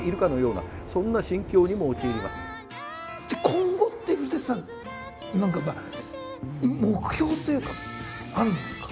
今後って古さん何か目標というかあるんですか？